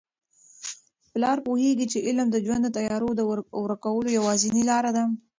پلار پوهیږي چي علم د ژوند د تیارو د ورکولو یوازینۍ لاره ده.